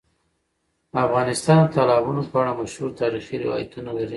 افغانستان د تالابونه په اړه مشهور تاریخی روایتونه لري.